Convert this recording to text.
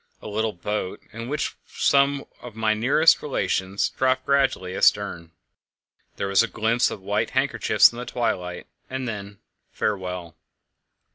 A little boat, in which were some of my nearest relations, dropped gradually astern. There was a glimpse of white handkerchiefs in the twilight, and then farewell!